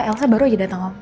elsa baru aja dateng om